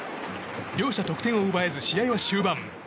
両者得点を奪えず、試合は終盤。